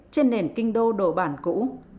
trên nền kinh đô đồ bàn cũ